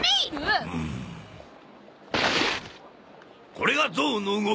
これがゾウの動き！